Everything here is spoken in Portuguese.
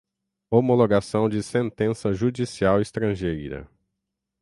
homologação de sentença judicial estrangeira